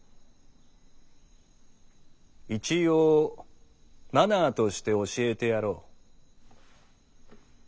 一応「マナー」として教えてやろう。